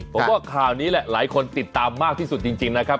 ผมว่าข่าวนี้แหละหลายคนติดตามมากที่สุดจริงนะครับ